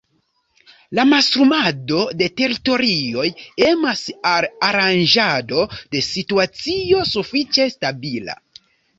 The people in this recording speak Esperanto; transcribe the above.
La mastrumado de teritorioj emas al aranĝado de situacio sufiĉe stabila.